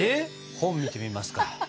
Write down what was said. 本見てみますか。